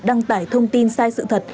đăng tải thông tin sai sự thật